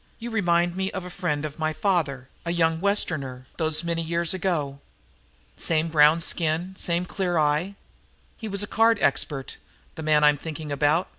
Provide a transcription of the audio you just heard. "You remind me of a friend of my father, a young Westerner, those many years ago. Same brown skin, same clear eye. He was a card expert, the man I'm thinking about.